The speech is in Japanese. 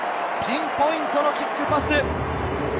ピンポイントのキックパス。